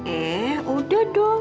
eh udah dong